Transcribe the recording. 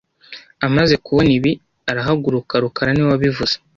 Amaze kubona ibi, arahaguruka rukara niwe wabivuze